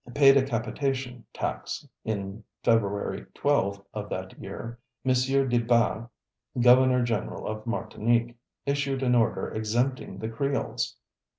paid a capitation tax. In February 12 of that year, M. de Baas, Governor General of Martinique, issued an order exempting the Creoles.